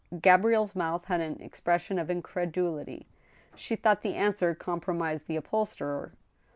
Gabrielle's mouth had an expression of incredulity. She thought the answer compromised the upholsterer.